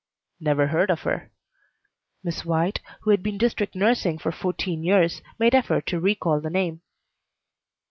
"Never heard of her." Miss White, who had been district nursing for fourteen years, made effort to recall the name.